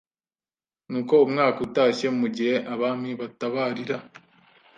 Nuko umwaka utashye mu gihe abami batabarira